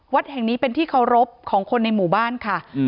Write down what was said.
วัดแห่งนี้เป็นที่เคารพของคนในหมู่บ้านค่ะ